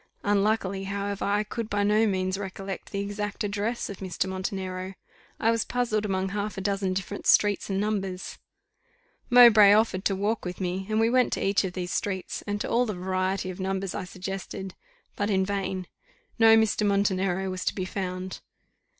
Unluckily, however, I could by no means recollect the exact address of Mr. Montenero. I was puzzled among half a dozen different streets and numbers: Mowbray offered to walk with me, and we went to each of these streets, and to all the variety of numbers I suggested, but in vain; no Mr. Montenero was to be found.